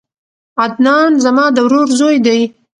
عدنان زما د ورور زوی دی